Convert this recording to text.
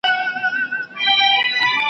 چي یو قند د یار د خولې په هار خرڅیږي ,